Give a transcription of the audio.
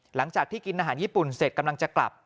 หลังจากที่กินอาหารญี่ปุ่นเสร็จกำลังจะกลับ